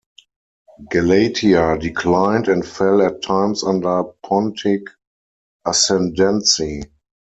Galatia declined and fell at times under Pontic ascendancy.